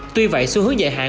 tuy vậy xu hướng dài hạn